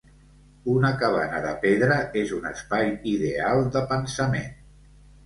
Una cabana de pedra és un espai ideal de pensament.